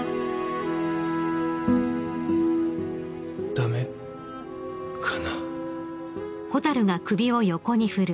駄目かな？